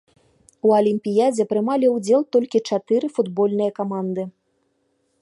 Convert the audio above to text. У алімпіядзе прымалі ўдзел толькі чатыры футбольныя каманды.